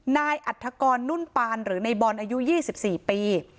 นายอัฐกรนุ่นปานหรือในบอลอายุยี่สิบสี่ปี